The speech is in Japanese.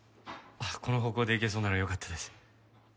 この方向でいけそうならよかったです。